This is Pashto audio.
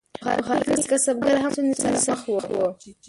په ښارونو کې کسبګر هم له ستونزو سره مخ وو.